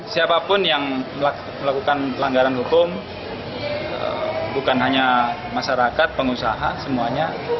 siapapun yang melakukan pelanggaran hukum bukan hanya masyarakat pengusaha semuanya